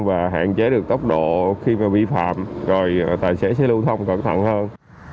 và hạn chế được tốc độ khi vi phạm rồi tài xế sẽ lưu thông cẩn thận hơn